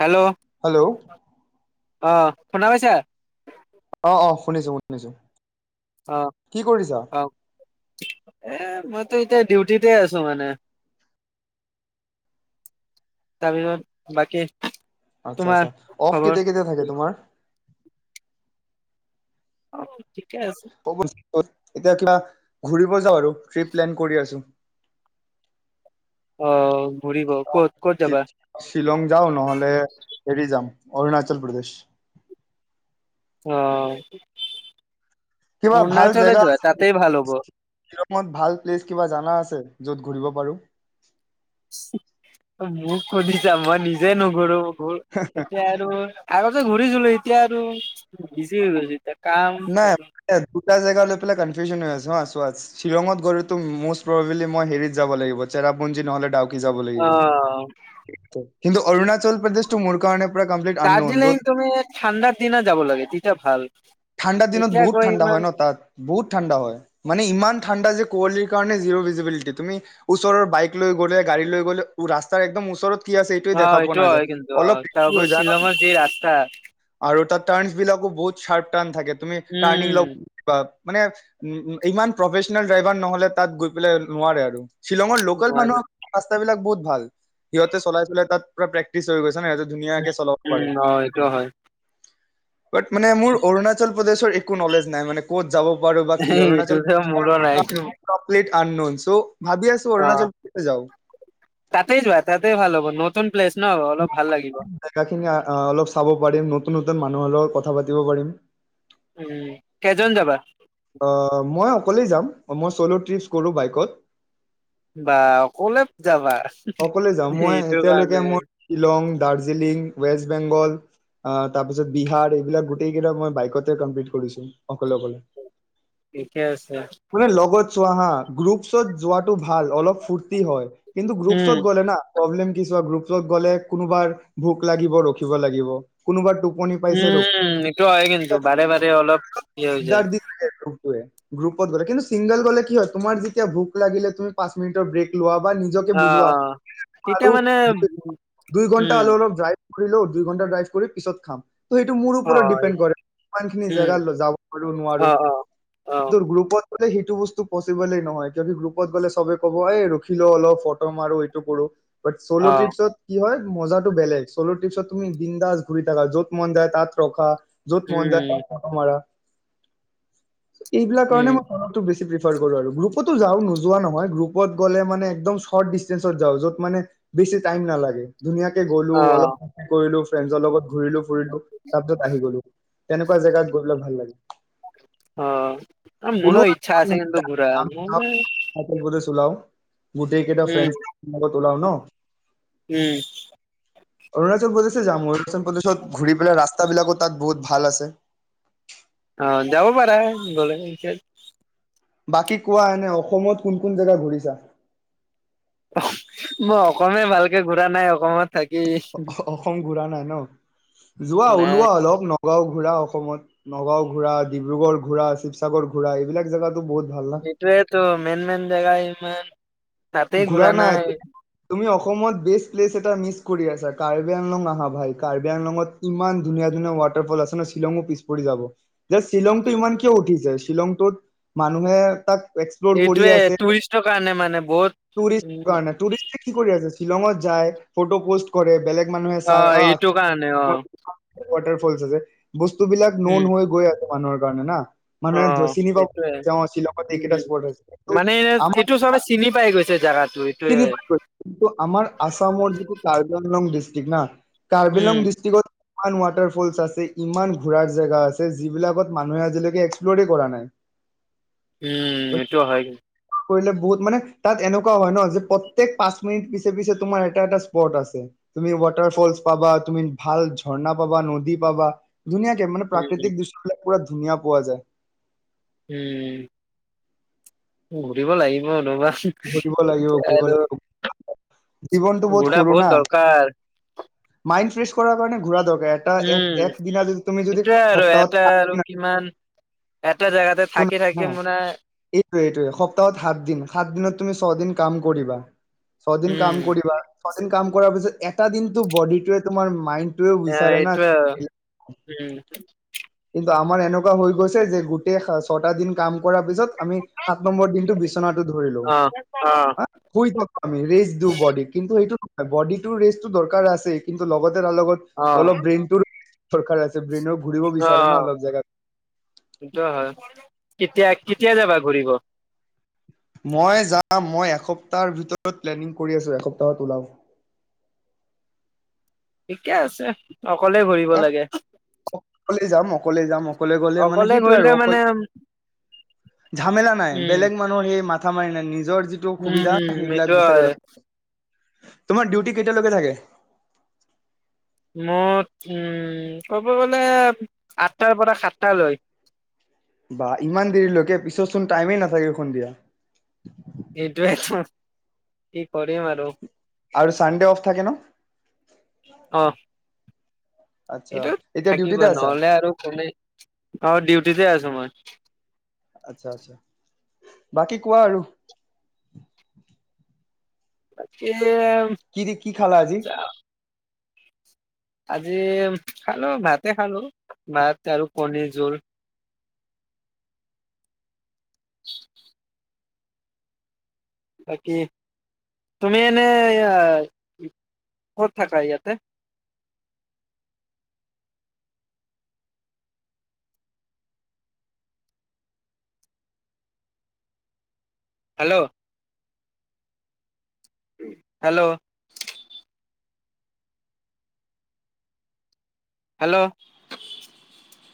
Hello. Hello আহ, শুনা পাইছা? অ' অ', শুনিছো শুনিছো। অহ, কি কৰিছা অক, এ ম মইতো এতিয়া ডিউটিতে আছো মানে, তাৰপিছত বাকী আচ্ছা তোমাৰ আচ্ছা, অফ খবৰ কেতিয়া কেতিয়া থাকে তোমাৰ। অ। ঠিকে আছে [unintelligible] এতিয়া কিবা, ঘূৰিব যাওঁ আৰু। ট্ৰিপ প্লেন কৰি আছো। অ ঘূৰিব ক'ত ক'ত শি, যাবা শ্বিলং যাও নহলে, হেৰি যাম। অৰুণাচল প্ৰদেশ। অ। কিবা ভাল অৰুণাচলে জেগা যোৱা আছে তাতেই ভাল হ'ব ভাল প্লেচ কিবা জানা আছে। য'ত ঘূৰিব পাৰোঁ। হ, মোক শুদিছা মই নিজে নুঘূৰো। ঘূ, এতিয়া আৰু, আৰু ততে ঘূৰিচিলো এতিয়া আৰু, বিজি হৈ গৈছে এতিয়া। কাম জ লৈনি হৈ আ শ্বিলঙত গো মব মই হেৰিত যাব লাগিব নহলে যাব অ লাগিব কিন্তু অৰুণাচল প্ৰদেশটো মোৰ কাৰণে পুৰা কমপ্লিট আননউন য'ত দাৰ্জিলিং তুমি ঠাণ্ডাৰ দিনত যাব লাগে তিয়া ভাল ঠাণ্ডা দিনত এতিয়া বহুত গৈ ঠাণ্ডা ইমান হয় ন তাত বহুত ঠাণ্ডা হয় মানে ইমান ঠাণ্ডা যে কুৱলি কাৰণে জিৰো ভিজিবিলিটি তুমি ওচৰৰ বাইক লৈ গ'লে গাড়ী লৈ গ'লে ৰাস্তাৰ একদম ওচৰত কি আছে এইটোৱে অ দেখা পোৱা এইটো নাযায় হয় কিন্তু অলপ আহ ৰিস্কি হৈ তাৰপৰ যায় শ্বিলঙৰ যি ৰাস্তা [unintelligible] বিলাক বহুত চাৰ থাকে তুমি টাৰ্নিং ল উম লগা মানে উ ইমান প্ৰফেচনেল ড্ৰাইভাৰ নহলে তাত গৈ পেলাই নোৱাৰে আৰু শ্বিলঙৰ লোকেল মানুহ নোৱাৰি। বিলাক বহুত ভাল সিহঁতে চলাই চাই তাত প্ৰেক্টিচ হৈ গৈছে ন সিহঁতে উ ধুনীয়াকে চলাব পাৰে উম অ এইটোও হয় বাট মানে মোৰ অৰুণাচল প্ৰদেশৰ একো নলেজ নাই মান ক'ত যাব পাৰো বা কি অৰুণাচল এইটোতো মোৰো নাই এইটো কমপ্লিট আন অ তাতেই যোৱা তাতেই ভাল হ'ব নত জেগা খিনি অলপ চাব পাৰিম নতুন নতুন মানুহৰ লগত কথা পাতি পাৰিম উম কেইজন যাবা অ মই অকলেই যাম মই চ'ল' ট্ৰিপছ কৰোঁ বাইকত বা অকলে যাবা? সকলে যাম মই সেইটো কাৰণে এতিয়ালৈকে মই শ্বিলং, দাৰ্জিলিং ৱেষ্ট গ তাৰপিছত বিহাৰ এইবিলাক গোটেইেই মই বাইকতে কম্লিট কৰিছো অকলে অকলে ঠিকে আছে। মানে লগত চোৱা হা গ্ৰুপছত যোৱাটো ভাল অলপ ফূৰ্তি হয়। কিন্তু গ্ৰুপ উম গ প্ৰব্লেম গ্ৰুপত গলে কোনোবাৰ ভোক লাগিব ৰখিব লাগিব কোনোব। উম এইটো হয় কিন্তু বাৰে বাৰে অলপ ই হৈ দিগদাৰ যায়। দি থাকে গ্ৰুপটোৱে গ্ৰুপত গ'লে কিন্তু চিংগল গ'লে কি হয় তুমাৰ যেতিয়া ভোক লাগিলে পচ মিনিৰ ব্ৰেক লোৱা। বা নিজকে অ বুজোৱা। অ তেতিয়া আৰু মানে দু--দুই ঘণ্টা উম হলে অলপ যাই ঘৰি লও দুই ঘণ্টা ড্ৰাইভ কৰি পিছত খাম। ত সেইটো মোৰ অ ওপৰত ডিপেণ্ড কৰে, ইমান খিনি উম জেগাত যাব পাৰ নোৱাৰো অ অ অ গ্ৰুপত বোলে সেইটো বস্তু পচিবলেই নহয় যদি গ্ৰুপত গ'লে চবে ক'ব এই ৰখিলও অলপ ফটো মাৰো। নকৰোঁ। বাট চ'লো অ ট্ৰিপছত কি হয় মজা টো বেলেগ চ'ল টপছত তুমি বন্দাস ঘূৰি থাকা য'ত মন যায় তাত ৰখা। য'ত মন উম যাই ত'ত ফটো মৰা এইবিলাক উম কাৰণে মই মনতো বেছি গ্ৰুপটো যাওঁ নোযোৱা নহয়, গ্ৰুপত গলে একদম স্বৰ্ত ডিচ যওঁ যত মানে বেছি টাইম নালাগে। ধুনীয়াকে গলো অলপ কৰিলো ফ্ৰেণ্ডছৰ লগত ঘূৰিলো ফুৰিলো তাৰপিছত আহি গলো তেনেকুৱা জেগাত গলে ভাল লাগে মোৰো ইচ্ছা আছে কিন্তু ঘূৰা মই ওলাও। [inaudible] গোটেই কেইটা ফ্ৰে উম উলাও ন উম অৰুণাচল প্ৰদেশে যাম অৰুণাচল প্ৰদেশত ঘূৰি পেলাই ৰাস্তাাবলাকো তাত বহুত ভাল আছে। অ, যাব পাৰা গলেত [unintelligible] বাকী কোৱা এনে অসমত কোন-কোন জেগা ঘূৰিছা? মই অসমে ভালকে ঘুৰা নাই অসমত থাকি। উৰা নাই ন যোৱা নাই ওলোৱা অলপ ন নগাঁও ঘূৰা অসমত, নগাঁও ঘূৰা, ডিব্ৰুগড় ঘূৰা, শিৱসাগৰ ঘূৰা, এইবিলাক জেগাত সেইটোৱেটো মেইন মেইন জেগ অ'। ঘূৰা নাই, তুমি অক অসমত বেষ্ট প্লেচ এটা মিচ কৰি আছে, কাৰ্বি আংলং আহা ভাই, কাৰ্বি আংলঙত ইমান ধুনীয়া ধুনীয়া ৱাটাৰফল আছে ন শ্বিলঙো পিছ পৰি যাব, যে শ্বিলংটো ইমান কিয় উঠিছে? শ্বিলংটোত মানুহে তাক এক্সপ্ল'ৰ এইটোৱে টুৰিষ্টৰ কাৰণে মানে বহুত টুৰিষ্ট উম কাৰণে, টুৰিষ্ট কি কৰি আছে শ্বিলংত যায়, ফটো পোষ্ট কৰে বেলেগ মানুহে অ চাই, এইটো কাৰণে অ' ৱাটাৰ ফলছ আছে। বস্তু বিলাক নোন উম হৈ গৈ আছে। মানুহৰ কাৰণে না অ মানুহে চিনি পাব সেইটোয়ে ধৰিছে অ' শ্বিলং এইকেইটা উম স্পট আছে। কিন্তু আমাৰ জেগা চিনি পায় গ'ল, কিন্তু আাৰ আছামৰ যিটো কাৰ্বি আংলং ডি থিক না কাৰ্বি উম আংলং ডিষ্ট্ৰিকটত ইমান ৱাটাৰ ফলছ আছে, ইমান ঘূৰাৰ জেগা আছে, যিবিলাকত মানুহে আজিলৈকে এক্সপ্লৰে কৰা নাই। উম এইটো হয় কিন্তু। কৰিলে বহুত মানে, তাত এনেকুৱা হয় ন যে প্ৰত্যেক পাঁচ মিনিট পিছে পিছে তোমাৰ এটা এটা স্পট আছে, তুমি ৱাটাৰ ফলচ পাবা, তুমি ভাল ঝৰ্ণা পাবা, নদী পাবা। ধুনীয়াাক মান উম প্ৰাকৃতিক দৃশ্য পুৰা ধুনীয়া পোৱা যায়। উম। ঘুৰিব লাগিব ৰবা। ঘূৰিব লাগিব এতিয়া ঘূৰিব আৰু লাগিব ঘূৰা বহুত দৰকাৰ। মাইন্ড ফ্ৰেচ কৰাৰ কাৰণে ঘূৰাৰ দৰকাৰ। এটা এক উম এক দিনা তুমি যদি সেইটোয়ে আৰু সপ্তাহত এটা আৰু সাত কিমান এটা জেগাতে থাকি থাকি শুনা, মানে এইটো এইটো সপ্তাহত সাত দিন, সাত দিনত তুমি ছয়দিন কাম কৰিবা। ছয়দিন কাম উম কৰিবা, ছয়দিন কাম কৰাৰ পিছত, এটা দিনতটো বডিটোৱে তোমাৰ মাইণ্ড অ' এইটোৱে আৰু, উম কিন্তু আমাৰ এনেকুৱা হৈ গৈছে যে গোটেই ছটা দিন কাম কৰা পিছত আমি সাত নম্বৰ দিনটো বিচনাটো ধৰিলেও, অ অ' শুই থাকোঁ আমি ৰেষ্ট দিও বডিক কিন্তু সেইটো হয় বডিটো ৰেষ্টটো দৰকাৰ আছে কিন্তু লগত আৰু তাৰ লগত অ অলপ ব্ৰেইনটোৰ দৰকাৰ আছে ব্ৰেইনক ঘূৰিব বিচা অ', সেইটোৱ হয়। কেতিয়া-কেতিয়া যাবা ঘূৰিব? মই যাম মই এসপ্তাহৰ ভিতৰত প্লেনিং কৰি আছোঁ এসপ্তাহত ওলাম। ঠিকে আছে। অকলে ঘূৰিব এই লাগে অকলে যাম-অকলে যাম অকলে গ'লে মানে অকলে সেইটো আৰু ঘূৰিলে মানে অকলে উম ঝামেলা নাই বেলেগ উম মানুহৰ সেই মা মাথা মাৰি নাই নিজ নিজৰ যিটো সুবিধা উম সেইবিলাক সেইটো বিচাৰিব হয় লাগিব। তোমাৰ ডিউটি কেতিয়ালৈকে থাকে? মোৰ উম ক'ব গ'লে আঠটাৰ পৰা সাতটালৈ। বা ইমান দেৰিলৈকে। পিছত চোন টাইমেই নাথাকে সন্ধিয়া। এইটোৱেই টো কি কৰিম আৰু আৰু চানডে অফ থাকে ন অ' আচ্ছা এইটো এতিয়া থাকিব ডিউটিতে আছা নহ'লে আৰু কোনে অ' ডিউটিতে আছো মই। আচ্ছা -আচ্ছা বাকী কোৱা আৰু? বাকী। কি দি কি খালা আজি? আজি খালো, ভাতে খালো ভাত আৰু কণী জুল বাকী তুমি এনে ক'ত থাকা ইয়াতে? হেল্ল'। হেল্ল'। হেল্ল'